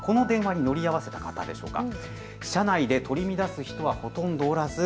この電車に乗り合わせた人でしょうか。